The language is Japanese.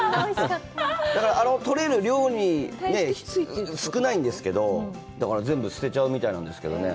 だから、取れる量より少ないんですけど、だから、全部捨てちゃうみたいなんですけどね。